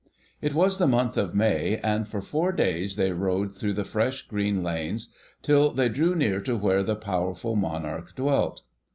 It was the month of May, and for four days they rode through the fresh green lanes, till they drew near to where the powerful Monarch dwelt.